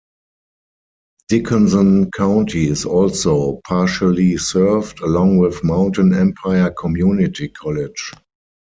Dickenson County is also partially served, along with Mountain Empire Community College.